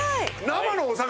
生のお魚？